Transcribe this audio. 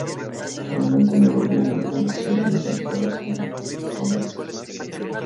Solamente me valía de algunas señas aisladas e inconexas.